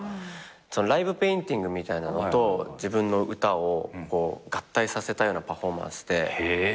ライブペインティングみたいなのと自分の歌を合体させたようなパフォーマンスで。